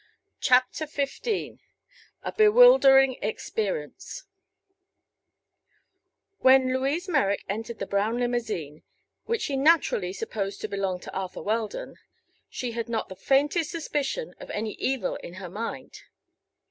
CHAPTER XV A BEWILDERING EXPERIENCE When Louise Merrick entered the brown limousine, which she naturally supposed to belong to Arthur Weldon, she had not the faintest suspicion of any evil in her mind.